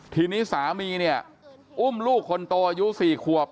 ทีนี้สามีเนี่ยอุ้มลูกคนโตอายุ๔ขวบ